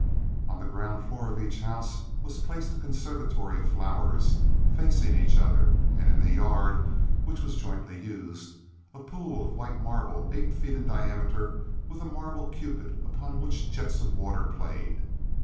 On the ground floor of each house was placed a conservatory of flowers, facing each other, and in the yard, which was jointly used, a pool of white marble eight feet in diameter, with a marble Cupid upon which jets of water played.